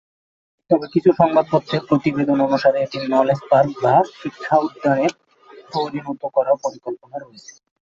তবে কিছু সংবাদপত্রে প্রতিবেদন অনুসারে এটি "নলেজ পার্ক" বা শিক্ষা উদ্যানে পরিণত করার পরিকল্পনা রয়েছে।